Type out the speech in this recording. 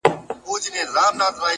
خپل اصول د ګټې قرباني مه کړئ